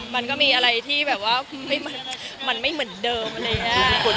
มันก็มีอะไรที่แบบว่าที่มันไม่เหมือนเดิมค่ะ